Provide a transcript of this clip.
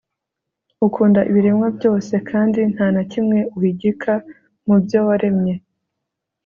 ukunda ibiremwa byose kandi nta na kimwe uhigika mu byo waremye